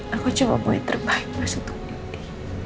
aku cuma mau yang terbaik mas untuk ini